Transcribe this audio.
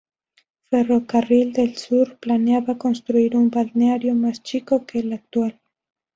Ferrocarril del Sur planeaba construir un balneario más chico que el actual.